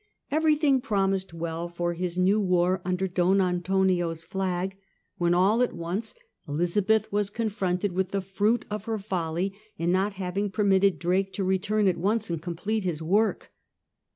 Every thing promised well for his new war under Don Antonio's flag, when all at once Elizabeth was confronted with the fruit of her folly in not having permitted Drake to return at once and complete his work.